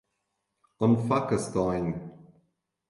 An Phacastáin